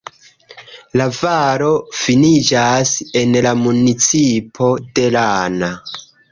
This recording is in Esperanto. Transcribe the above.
La valo finiĝas en la "municipo" de Lana.